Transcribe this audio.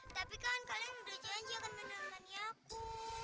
tapi kan kalian sudah janji akan mendemani aku